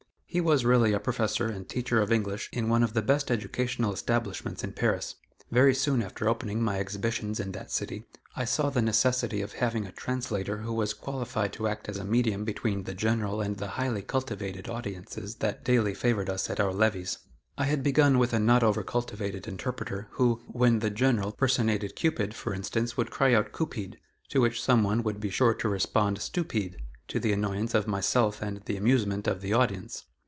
He was really a "Professor" and teacher of English in one of the best educational establishments in Paris. Very soon after opening my exhibitions in that city, I saw the necessity of having a translator who was qualified to act as a medium between the General and the highly cultivated audiences that daily favored us at our levees. I had begun with a not over cultivated interpreter, who, when the General personated Cupid, for instance, would cry out "Coopeed," to which some one would be sure to respond "Stoopeed," to the annoyance of myself and the amusement of the audience.